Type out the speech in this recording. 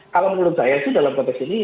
kalau menurut saya sih dalam konteks ini